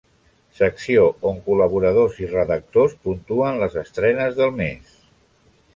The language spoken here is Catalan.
Secció on col·laboradors i redactors puntuen les estrenes del mes.